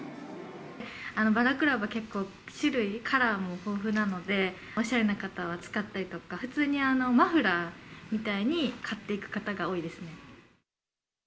バラクラバ、結構、種類、カラーも豊富なので、おしゃれな方は使ったりとか、普通にマフラーみたいに買っていく方が多いですね。